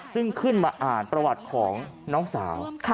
ซึ่งขึ้นมาอ่านประวัติของน้องสาว